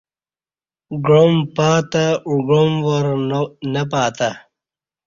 گعام پاتہ اُگعام وار نہ پاتہ